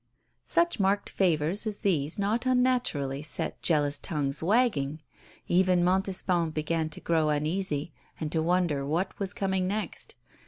Such marked favours as these not unnaturally set jealous tongues wagging. Even Montespan began to grow uneasy, and to wonder what was coming next.